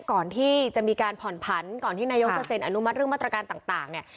ก่อนที่จะมีการผ่อนผันก่อนที่นายกจะเซ็นอนุมัติเรื่องมาตรการต่างเนี่ย